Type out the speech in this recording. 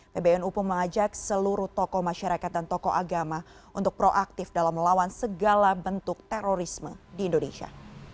pbnu pun mengajak seluruh tokoh masyarakat dan tokoh agama untuk proaktif dalam melawan segala bentuk terorisme di indonesia